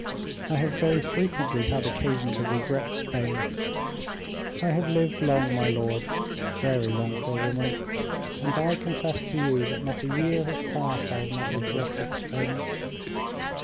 I have very frequently had occasion to regret Spain. I have lived long, my lord, very long for a woman, and I confess to you, that not a year has passed I have not regretted Spain."